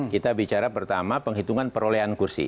kita bicara pertama penghitungan perolehan kursi